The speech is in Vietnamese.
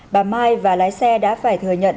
bà mai và lái xe đã phải thừa nhận